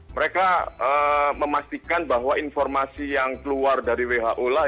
mereka memastikan bahwa informasi yang keluar dari who lah